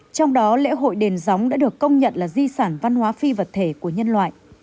trong đó lễ hội đền gióng đã được công nhận là di sản văn hóa phi vật thể của nhân loại